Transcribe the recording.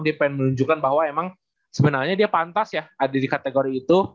dia pengen menunjukkan bahwa emang sebenarnya dia pantas ya ada di kategori itu